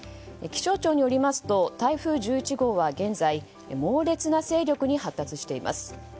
気象庁によりますと台風１１号は現在猛烈な勢力に発達しています。